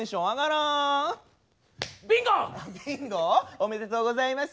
おめでとうございます。